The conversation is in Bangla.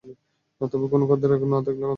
তবে কোনো খদ্দের না থাকলে বন্ধ করে দেয়।